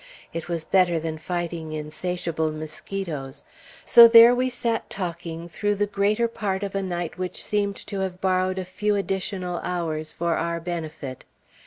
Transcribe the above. It was better than fighting insatiable mosquitoes; so there we sat talking through the greater part of a night which seemed to have borrowed a few additional hours for our benefit.